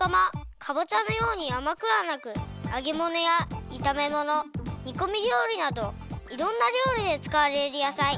かぼちゃのようにあまくはなくあげものやいためものにこみりょうりなどいろんなりょうりでつかわれるやさい。